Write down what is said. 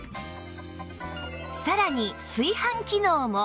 さらに炊飯機能も